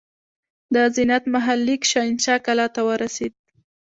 د زینت محل لیک شاهنشاه کلا ته ورسېد.